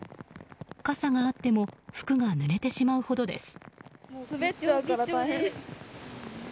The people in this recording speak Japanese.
傘があっても服がぬれてしまうほどです。